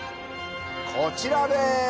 こちらです。